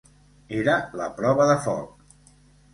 Era la prova de foc.